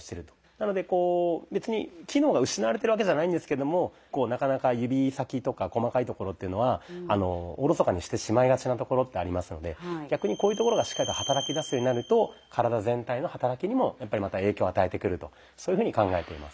なので別に機能が失われてるわけじゃないんですけどもなかなか指先とか細かいところっていうのはおろそかにしてしまいがちなところってありますので逆にこういうところがしっかりと働きだすようになると体全体の働きにも影響を与えてくるとそういうふうに考えています。